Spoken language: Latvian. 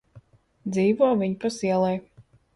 Dzīvo viņpus ielai.